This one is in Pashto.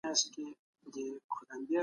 د مدني اعتراضونو مخه په زور سره نیول کیږي.